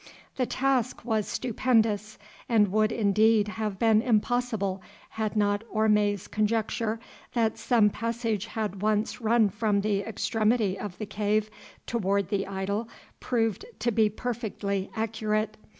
The task was stupendous, and would indeed have been impossible had not Orme's conjecture that some passage had once run from the extremity of the cave toward the idol proved to be perfectly accurate.